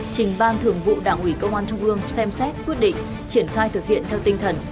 trình ban thường vụ đảng ủy công an trung ương xem xét quyết định triển khai thực hiện theo tinh thần